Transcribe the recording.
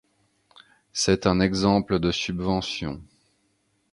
C’est un exemple de subvention.